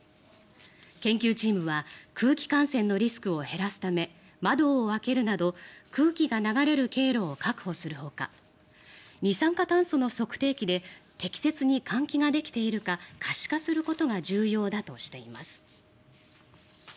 研究チームは空気感染のリスクを減らすため窓を開けるなど空気が流れる経路を確保するほか二酸化炭素の測定器で適切に換気ができているか可視化することが重要だとしています。